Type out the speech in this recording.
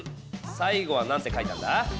最後は何て書いたんだ？